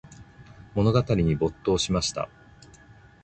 物語に没頭しました。